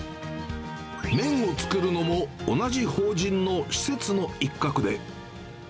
麺を作るのも同じ法人の施設の一角で。